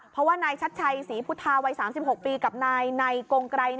เพราะว่านายชัดชัยศรีพุทธาวัย๓๖ปีกับนายในกงไกร